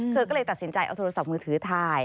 เธอก็เลยตัดสินใจเอาโทรศัพท์มือถือถ่าย